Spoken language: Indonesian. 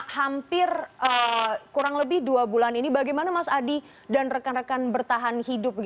hampir kurang lebih dua bulan ini bagaimana mas adi dan rekan rekan bertahan hidup